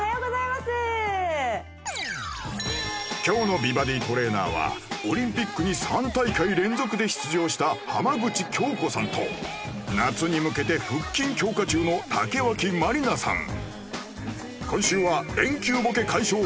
今日の美バディトレーナーはオリンピックに３大会連続で出場した浜口京子さんと夏に向けて腹筋強化中の竹脇まりなさん